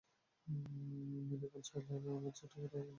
Mary Van Schuyler, আমার ছোটখাট কামরা হলে হবে না!